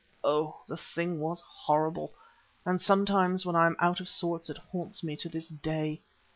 Oh! the thing was horrible, and sometimes when I am out of sorts, it haunts me to this day.